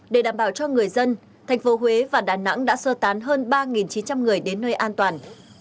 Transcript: để đảm bảo cho người dân thành phố huế và đà nẵng đã sơ tán hơn ba chín trăm linh người đến nơi an toàn